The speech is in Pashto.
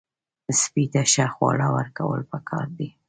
سپي ته ښه خواړه ورکول پکار دي.